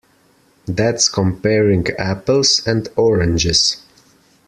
That's comparing apples and oranges.